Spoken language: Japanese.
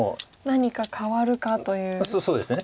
何か変わるかということですね。